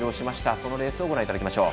そのレースをご覧いただきましょう。